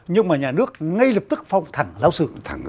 nhưng mà nhà nước ngay lập tức phong thẳng giáo sư thẳng